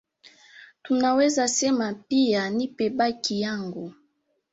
Tunaweza sema pia nipe baki yangu